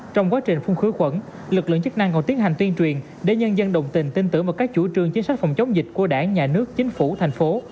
trong quá trình phun khử khuẩn lực lượng chức năng còn tiến hành tuyên truyền để nhân dân đồng tình tin tưởng vào các chủ trương chính sách phòng chống dịch của đảng nhà nước chính phủ thành phố